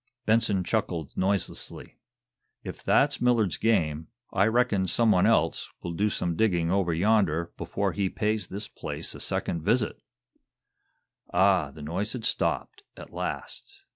Benson chuckled noiselessly. "If that's Millard's game I reckon some one else will do some digging over yonder before he pays this place a second visit!" Ah, the noise had stopped, at last.